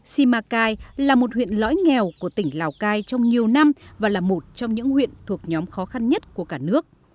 simacai là một huyện lõi nghèo của tỉnh lào cai trong nhiều năm và là một trong những huyện thuộc nhóm khó khăn nhất của cả nước